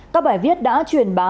các bài viết đã truyền bá